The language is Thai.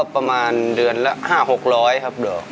ประมาณเดือนละ๕๖๐๐ครับดอก